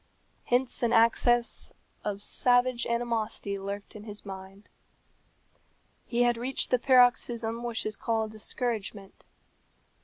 Hence an access of savage animosity lurked in his mind. He had reached the paroxysm which is called discouragement.